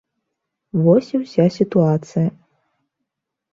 Вось і ўся сітуацыя.